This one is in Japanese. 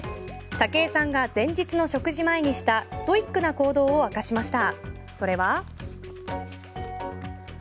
武井さんが前日の食事前にしたストイックな行動を明かしました。